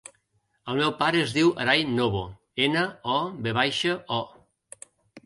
El meu pare es diu Aray Novo: ena, o, ve baixa, o.